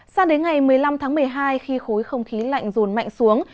sao đến ngày một mươi năm tháng một mươi hai khi khối không khí lạnh dồn mạnh xuống